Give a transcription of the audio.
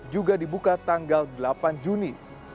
juga dibuka tanggal delapan juni